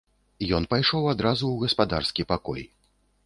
Ён пайшоў адразу ў гаспадарскі пакой.